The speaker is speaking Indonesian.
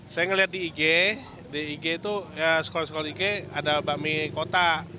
saya ngeliat di ig di ig itu sekolah sekolah ig ada bakmi kota